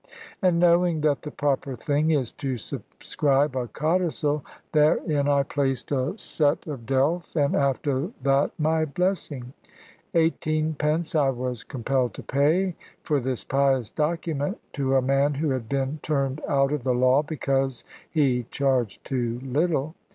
And knowing that the proper thing is to subscribe a codicil, therein I placed a set of delf, and after that my blessing. Eighteenpence I was compelled to pay for this pious document to a man who had been turned out of the law because he charged too little.